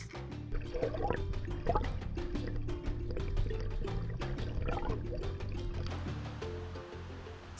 taman wisata alam pulau sangalaki menjadi tempat konservasi hewan penyu atau kura kura laut